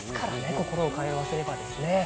心を通わせればね。